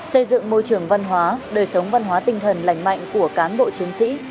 xây dựng môi trường văn hóa đời sống văn hóa tinh thần lành mạnh của cán bộ chiến sĩ